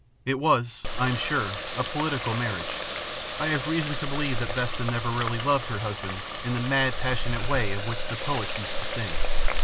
It was, I am sure, a political marriage. I have reason to believe that Vesta never really loved her husband in the mad passionate way of which the poets used to sing.